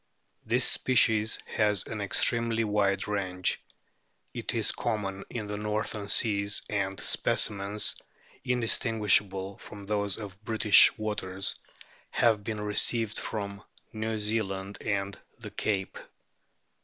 This species has an extremely wide range ; it is common in the northern seas, and specimens indis tinguishable from those of British waters have been received from New Zealand and the Cape.